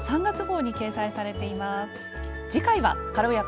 ３月号に掲載されています。